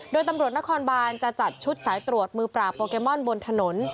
โดยตำรวจนครบานจะจัดชุดสายตรวจมือปราบโปเกมอนบนถนน